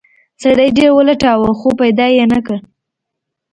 سړي ډیر ولټاوه خو پیدا یې نه کړ.